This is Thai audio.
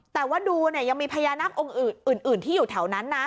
แต่ว่าดูยังมีพญานาคอุ่นที่อยู่แถวนั้นนะ